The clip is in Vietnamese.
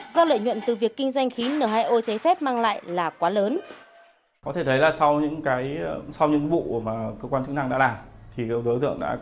do lợi nhuận từ việc kinh doanh khí n hai o cháy phép mang lại là quá lớn